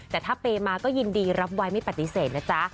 แต่ถ้าเปย์มาก็ยินดีรับไว้ไม่ปฏิเสธนะจ๊ะ